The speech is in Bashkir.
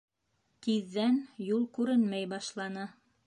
Тиҙҙән юл күренмәй башланы.